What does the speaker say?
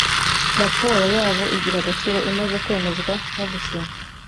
Raporo yabo igira agaciro imaze kwemezwa no gusinywa